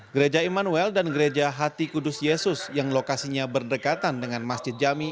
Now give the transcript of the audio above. gereja immanuel dan gereja hati kudus yesus yang lokasinya berdekatan dengan masjid jami